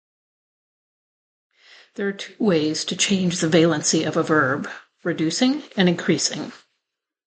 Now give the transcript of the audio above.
There are two ways to change the valency of a verb: reducing and increasing.